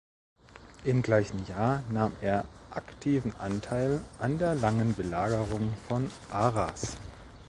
Im gleichen Jahr nahm er aktiven Anteil an der langen Belagerung von Arras.